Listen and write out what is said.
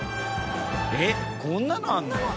えっこんなのあるの？